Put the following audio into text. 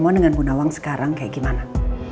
kamu sama dengan bu nawang sekarang kayak gimana